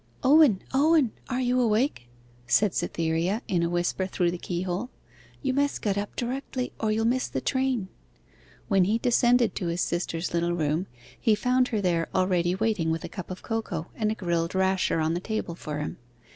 'Owen, Owen, are you awake?' said Cytherea in a whisper through the keyhole. 'You must get up directly, or you'll miss the train.' When he descended to his sister's little room, he found her there already waiting with a cup of cocoa and a grilled rasher on the table for him.